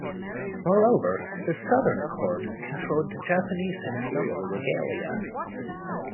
Moreover, the Southern Court controlled the Japanese imperial regalia.